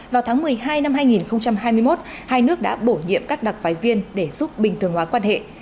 vào tháng một mươi hai năm hai nghìn hai mươi một hai nước đã bổ nhiệm các đặc phái viên để giúp bình thường hóa quan hệ